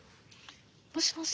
もしもし。